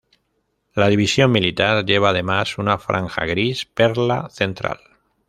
La división militar lleva además una franja gris perla central.